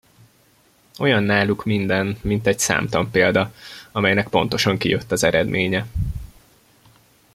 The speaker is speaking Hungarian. Olyan náluk minden, mint egy számtanpélda, amelynek pontosan kijött az eredménye.